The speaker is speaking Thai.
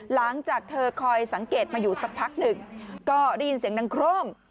หลังจากเธอคอยสังเกตมาอยู่สักพักหนึ่งก็ได้ยินเสียงดังโครม